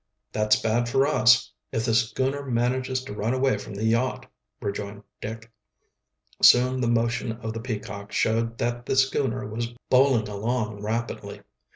"That's bad for us if the schooner manages to run away from the yacht," rejoined Dick. Soon the motion of the Peacock showed that the schooner was bowling along rapidly.